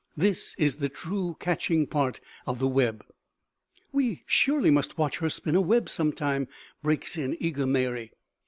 This is the true catching part of the web." "We surely must watch her spin a web sometime," breaks in eager Mary.